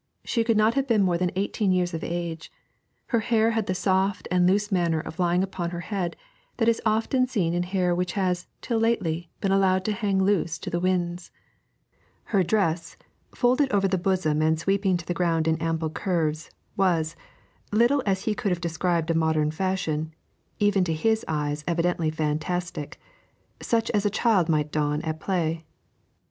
She could not have been more than eighteen years of age. Her hair had the soft and loose manner of lying upon her head that is often seen in hair which has, till lately, been allowed to hang loose to the winds. Her dress, folded over the full bosom and sweeping to the ground in ample curves, was, little as he could have described a modern fashion, even to his eyes evidently fantastic such as a child might don at play.